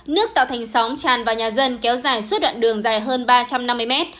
nước tạo thành sóng tràn vào nhà dân kéo dài suốt đoạn đường dài hơn ba trăm năm mươi mét